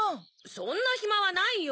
そんなひまはないよ。